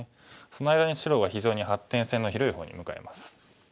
その間に白は非常に発展性の広い方に向かいます。